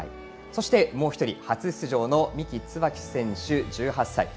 そしてもう１人、初出場の三木つばき選手、１８歳。